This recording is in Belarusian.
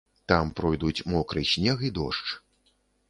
Там пройдуць мокры снег і дождж.